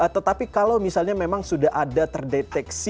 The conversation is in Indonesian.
tetapi kalau misalnya memang sudah ada terdeteksi